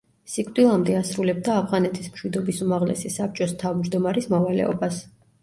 სიკვდილამდე ასრულებდა ავღანეთის მშვიდობის უმაღლესი საბჭოს თავმჯდომარის მოვალეობას.